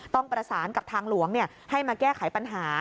ต้องประสานกับทางหลวงให้มาแก้ไขปัญหา